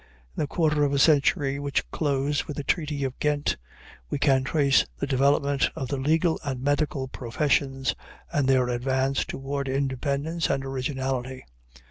In the quarter of a century which closed with the treaty of Ghent we can trace the development of the legal and medical professions, and their advance towards independence and originality.